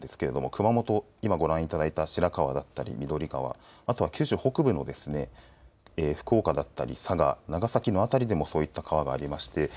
熊本、今ご覧いただいた白川や緑川、九州北部の福岡、佐賀、長崎の辺りでもそういった川があります。